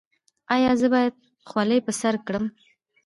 ایا زه باید خولۍ په سر کړم؟